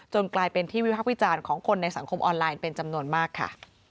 กลายเป็นที่วิพักษ์วิจารณ์ของคนในสังคมออนไลน์เป็นจำนวนมากค่ะ